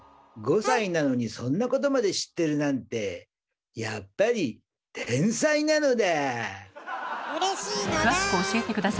５歳なのにそんなことまで知ってるなんてうれしいのだ。